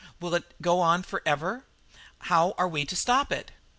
"Will it go on for ever? How are we to stop it?"